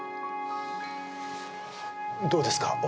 どうですか？